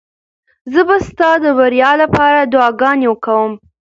زه به ستا د بریا لپاره دعاګانې کوم.